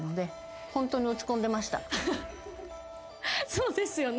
そうですよね。